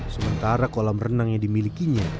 sementara kolam renang yang dimilikinya